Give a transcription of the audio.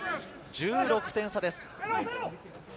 １６点差です。